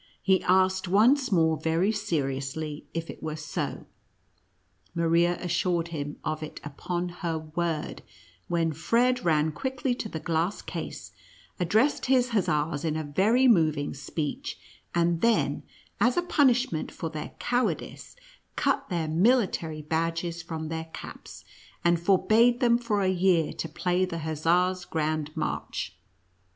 He asked once more very seriously, if it were so. Maria assured him of it upon her word, when Fred ran quickly to the glass case, addressed his hussars in a very moving speech, and then, as a punishment for their cowardice, cut their military badges from their caps, and forbade them for a year to play the Hussar's Grand March.